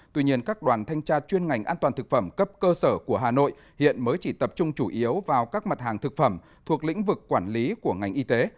tuy nhiên các đoàn thanh tra chuyên ngành an toàn thực phẩm cấp cơ sở của hà nội hiện mới chỉ tập trung chủ yếu vào các mặt hàng thực phẩm thuộc lĩnh vực quản lý của ngành y tế